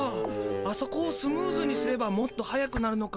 あそこをスムーズにすればもっと速くなるのか。